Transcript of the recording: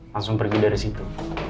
langsung pergi dari situ